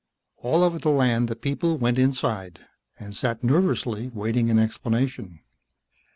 All over the land the people went inside and sat nervously waiting an explanation.